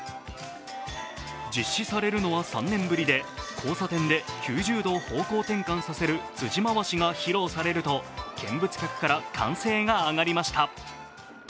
実施されるのは３年ぶりで、交差点で９０度方向転換させる辻回しが披露されると、見物客から歓声が上がりました。